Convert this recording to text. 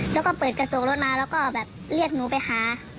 แล้วก็เปิดกระจกรถมาแล้วก็แบบเรียกหนูไปหา